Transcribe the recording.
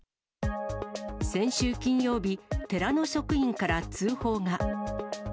先週金曜日、寺の職員から通報が。